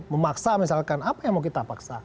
memaksa misalkan apa yang mau kita paksa